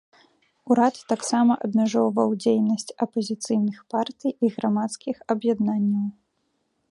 Урад таксама абмяжоўваў дзейнасць апазіцыйных партый і грамадскіх аб'яднанняў.